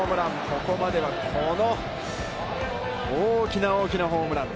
ここまでは、この大きな大きなホームラン。